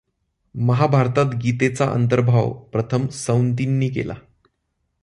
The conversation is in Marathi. महाभारतात गीतेचा अंतर्भाव प्रथम सौतींनी केला.